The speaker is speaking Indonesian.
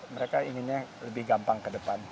mereka inginnya lebih gampang ke depan